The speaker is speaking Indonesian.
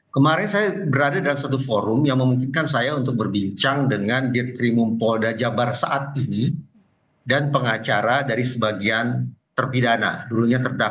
kemarin saya berada dalam satu forum yang memungkinkan saya untuk berbincang dengan dir krimum polda jabar saat ini dan pengacara dari sebagian terpidana dulunya terdakwa